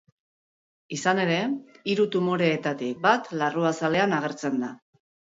Izan ere, hiru tumoreetatik bat larruazalean agertzen da.